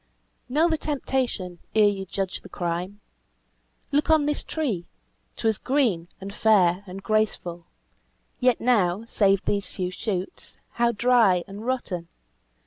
"Know the temptation ere you judge the crime! Look on this tree 'twas green, and fair, and graceful; Yet now, save these few shoots, how dry and rotten!